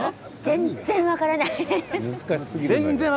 全然、分からない。